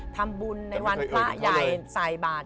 ทำบุญในวันพระใหญ่ใส่บาท